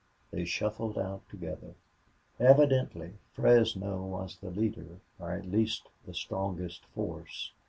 They shuffled out together. Evidently Fresno was the leader, or at least the strongest force.